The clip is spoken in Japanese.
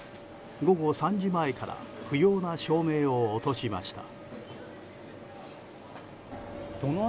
午後３時前から不要な照明を落としました。